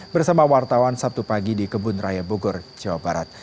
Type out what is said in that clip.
bersama wartawan sabtu pagi di kebun raya bogor jawa barat